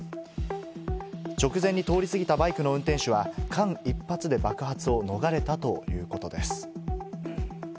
直前に通り過ぎたバイクの運転手は間一髪で爆発を逃れたということです。